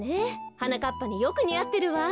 はなかっぱによくにあってるわ。